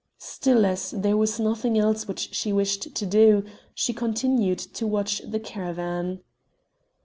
Still, as there was nothing else which she wished to do, she continued to watch the caravan.